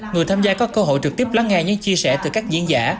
người tham gia có cơ hội trực tiếp lắng nghe những chia sẻ từ các diễn giả